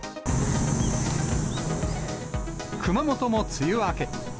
熊本も梅雨明け。